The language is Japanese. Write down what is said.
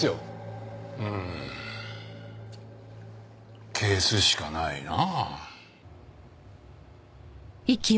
うーん消すしかないなあ。